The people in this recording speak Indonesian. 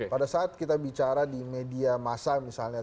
pada saat kita bicara di media masa misalnya